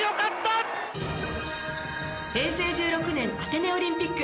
平成１６年アテネオリンピック。